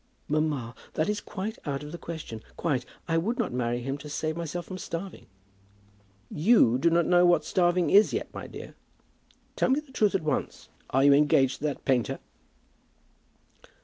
"Mamma, that is quite out of the question. Quite. I would not marry him to save myself from starving." "You do not know what starving is yet, my dear. Tell me the truth at once. Are you engaged to that painter?"